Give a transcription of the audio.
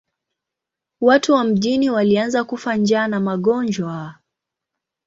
Watu wa mjini walianza kufa njaa na magonjwa.